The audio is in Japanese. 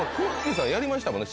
さんやりましたもんね